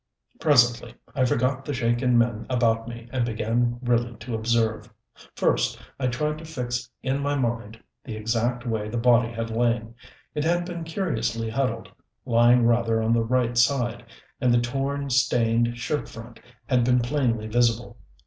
Presently I forgot the shaken men about me and began really to observe. First, I tried to fix in my mind the exact way the body had lain. It had been curiously huddled, lying rather on the right side and the torn, stained shirt front had been plainly visible.